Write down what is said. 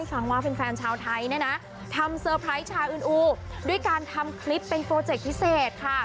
ฟังว่าแฟนชาวไทยเนี่ยนะทำเซอร์ไพรส์ชาวอื่นอูด้วยการทำคลิปเป็นโปรเจคพิเศษค่ะ